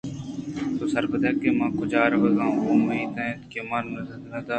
تو سر پدئے کہ من کجا روگ ءَ اوں ءُامیت اِنت کہ من ءَ نہ دارئے